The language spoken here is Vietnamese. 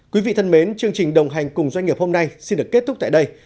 quý vị thân mến chương trình đồng hành cùng doanh nghiệp hôm nay xin được kết thúc tại đây